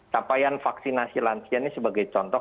capaian vaksinasi lansia ini sebagai contoh